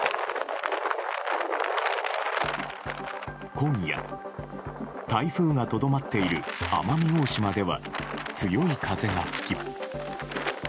今夜、台風がとどまっている奄美大島では強い風が吹き。